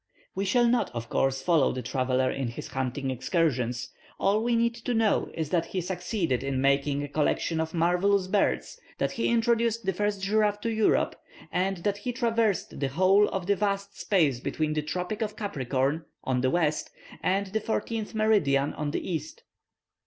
We shall not, of course, follow the traveller in his hunting excursions; all we need to know is that he succeeded in making a collection of marvellous birds, that he introduced the first giraffe to Europe, and that he traversed the whole of the vast space between the tropic of Capricorn on the west and the 14th meridian on the east.